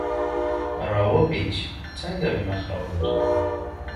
را و پېچ، څنګه مې مخ را وګرځاوه.